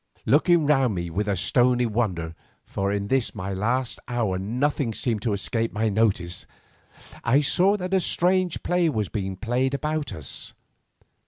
Looking round me with a stony wonder, for in this my last hour nothing seemed to escape my notice, I saw that a strange play was being played about us.